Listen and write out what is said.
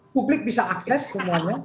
publik bisa akses semuanya